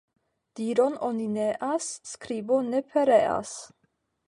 Diron oni neas, skribo ne pereas.